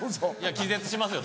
気絶しますよ